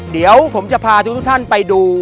เดี๋ยวผมจะพาทุกท่านไปดู